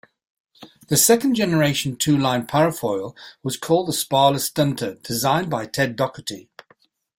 The second-generation two-line parafoil was called the "Sparless Stunter", designed by Ted Dougherty.